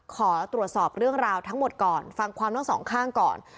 ขอตรวจสอบเรื่องราวทั้งหมดก่อนฟังความทั้งสองข้างก่อน